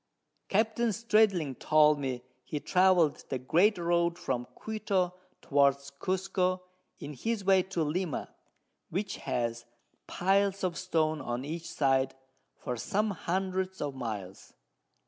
Capt. Stradling told me he travel'd the great Road from Quito towards Cusco, in his way to Lima, which has Piles of Stone on each side for some hundreds of Miles.